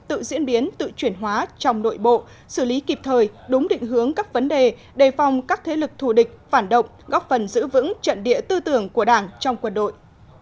tự diễn biến tự chuyển hóa trong nội bộ xử lý kịp thời đúng định hướng các vấn đề đề phòng các thế lực thù địch phản động góp phần giữ vững trận địa tư tưởng của đảng trong quân đội